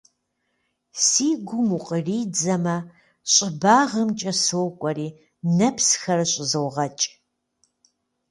Си гум укъыридзэмэ, щӏыбагъымкӏэ сокӏуэри нэпсхэр щӏызогъэкӏ.